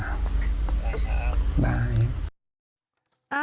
ครับบายบายนะครับ